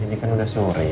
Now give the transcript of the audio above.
ini kan udah sore